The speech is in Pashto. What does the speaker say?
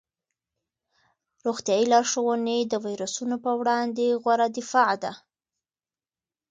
روغتیايي لارښوونې د ویروسونو په وړاندې غوره دفاع ده.